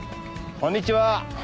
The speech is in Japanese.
こんにちは。